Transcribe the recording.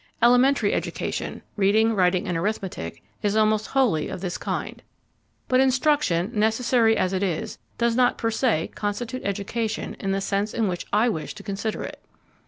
Elementary education reading, writing, and arithmetic is almost wholly of this kind. But instruction, necessary as it is, does not per se constitute education in the sense in which I wish to consider it.